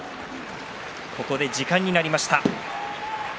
ここで時間になりました。